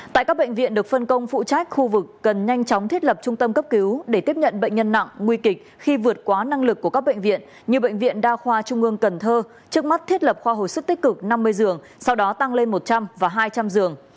tại các bệnh viện được phân công phụ trách khu vực cần nhanh chóng thiết lập trung tâm cấp cứu để tiếp nhận bệnh nhân nặng nguy kịch khi vượt quá năng lực của các bệnh viện như bệnh viện đa khoa trung ương cần thơ trước mắt thiết lập khoa hồi sức tích cực năm mươi giường sau đó tăng lên một trăm linh và hai trăm linh giường